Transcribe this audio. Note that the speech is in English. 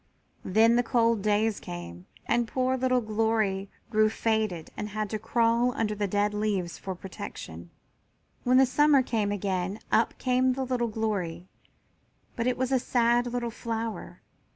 Then the cold days came and the poor little Glory grew faded and had to crawl under the dead leaves for protection. When the summer came again up came the little Glory, but it was a sad little flower.